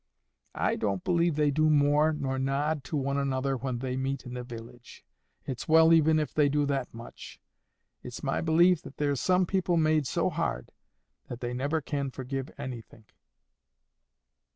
I don't believe they do more nor nod to one another when they meet in the village. It's well even if they do that much. It's my belief there's some people made so hard that they never can forgive anythink."